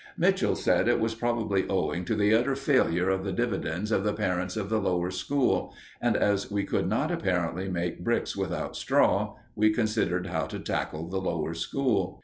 Mitchell said it was probably owing to the utter failure of the dividends of the parents of the Lower School; and as we could not apparently make bricks without straw, we considered how to tackle the Lower School.